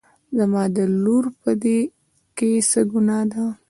زما د لور په دې کې څه ګناه ده